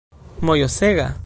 mojosega